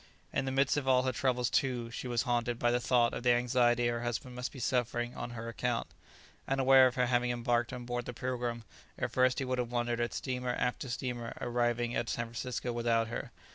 In the midst of all her troubles, too, she was haunted by the thought of the anxiety her husband must be suffering on her account. Unaware of her having embarked on board the "Pilgrim," at first he would have wondered at steamer after steamer arriving at San Francisco without her.